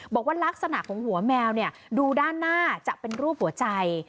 บอกว่าลักษณะของหัวแมวดูด้านหน้าจะเป็นรูปหัวใจ